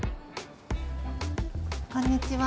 こんにちは。